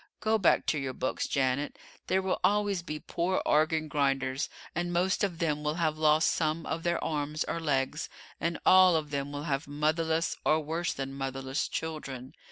Go back to your books, Janet. There will always be poor organ grinders, and most of them will have lost some of their arms or legs, and all of them will have motherless, or worse than motherless, children.